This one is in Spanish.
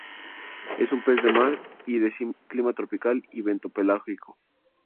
Es un pez de mar y, de clima tropical y bentopelágico.